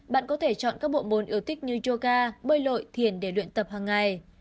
bạn có thể chọn các bộ môn yêu thích như yoga bơi lội thiền để luyện tập hằng ngày